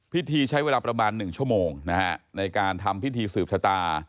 พิธีใช้เวลาประมาณ๑ชั่วโมงนะฮะในการทำพิธีสืบชะตา